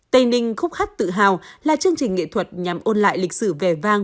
tây ninh khúc hát tự hào là chương trình nghệ thuật nhằm ôn lại lịch sử vẻ vang